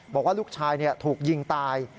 บอกว่าลูกชายถูกยิงตาย